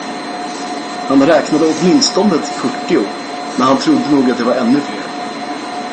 Han räknade åtminstone till fyrtio men han trodde nog att de var ännu fler.